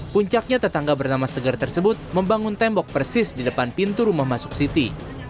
puncaknya tetangga bernama segar tersebut membangun tembok persis di depan pintu rumah masuk siti